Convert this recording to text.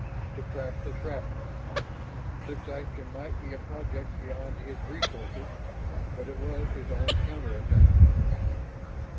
To trap the trapper. Such action might be a project beyond his resources, but it was his own counterattack.